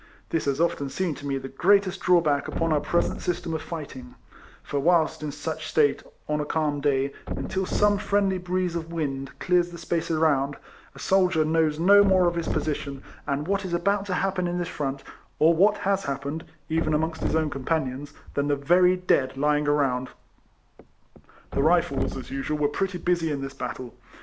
This has often seemed to me the greatest drawback upon our present system of fighting ; for whilst in such state, on a calm day, until some friendly breeze of wind clears the space around, a soldier knows no more of his position and what is about to happen in his front, or what has hap pened (even amongst his own companions) than the very dead lying around. The Rifles, as usual, were pretty busy in this battle.